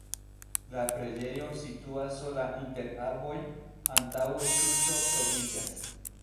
La preĝejo situas sola inter arboj, antaŭe kruco troviĝas.